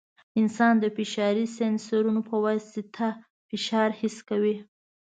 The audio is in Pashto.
انسان د فشاري سینسرونو په واسطه فشار حس کوي.